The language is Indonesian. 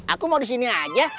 aku mau di sini aja